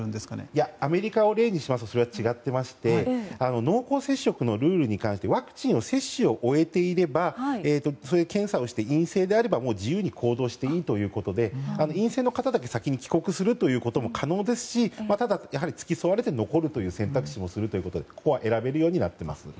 いや、アメリカを例にしますと、違っていまして濃厚接触のルールに関してワクチンの接種を終えていればそういう検査をして陰性であれば自由に行動していいということで陰性の方だけ先に帰国するということも可能ですしただやはり付き添われて残るという選択肢もあるということで、ここは選べるようになっています。